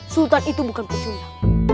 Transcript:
sultan itu bukan pecunya